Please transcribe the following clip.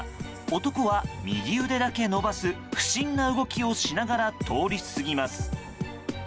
男は右腕だけ伸ばす不審な動きをしながら通り過ぎます。